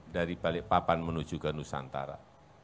dari balikpapan menuju ke nusantara